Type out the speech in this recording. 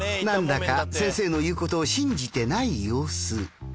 なんだか先生の言うことを信じてない様子。